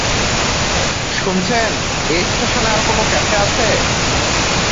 শুনছেন, এই স্টেশনে আর কোন ক্যাফে আছে?